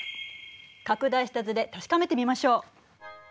拡大した図で確かめてみましょう。